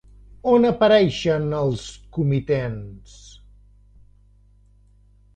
On apareixen els comitents?